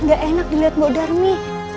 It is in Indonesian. gak enak dilihat mbok dharmi